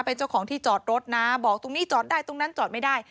เป็นเจ้าของที่จอดรถนะบอกตรงนี้จอดได้ตรงนั้นจอดไม่ได้